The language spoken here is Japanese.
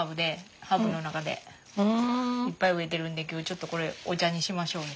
いっぱい植えてるんで今日ちょっとこれお茶にしましょうよ。